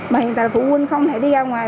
mà hiện tại phụ huynh không thể đi ra ngoài